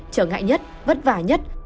trở ngại nhất vất vả nhất